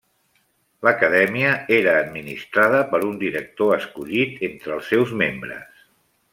L'Acadèmia era administrada per un director escollit d'entre els seus membres.